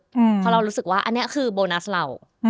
เพราะเรารู้สึกว่าอันนี้คือโบนัสเรา